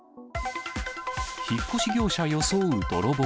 引っ越し業者装う泥棒。